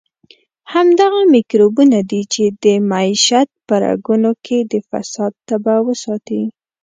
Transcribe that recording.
همدغه میکروبونه دي چې د معیشت په رګونو کې د فساد تبه وساتي.